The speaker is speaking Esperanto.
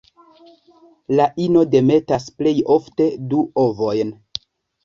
La ino demetas plej ofte du ovojn.